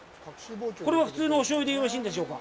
これは普通のお醤油でよろしいんでしょうか。